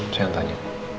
saya yang tanya